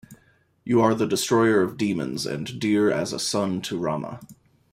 You are the destroyer of demons and dear as a son to Rama.